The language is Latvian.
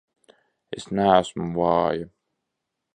Es neesmu vāja!